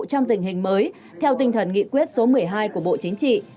trong tình hình mới theo tinh thần nghị quyết số một mươi hai của bộ chính trị